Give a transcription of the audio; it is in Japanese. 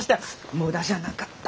無駄じゃなかった。